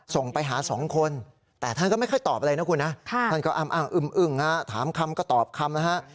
ส่งไปหาสองคนแต่ท่านก็ไม่ค่อยตอบอะไรนะคุณนะท่านก็อ้ำอ้างอึ้มถามคำก็ตอบคำนะฮะ